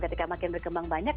ketika makin berkembang banyak